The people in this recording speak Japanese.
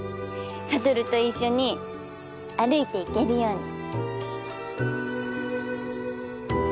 悟と一緒に歩いていけるように。